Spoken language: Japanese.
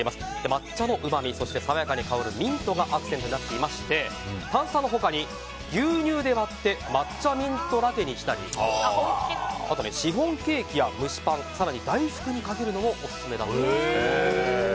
抹茶のうまみ爽やかに香るミントがアクセントになっていまして炭酸の他に牛乳で割って抹茶ミントラテにしたりシフォンケーキや蒸しパン更に大福にかけるのもオススメだそうです。